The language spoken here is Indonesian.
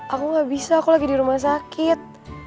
aku gak bisa aku lagi di rumah sakit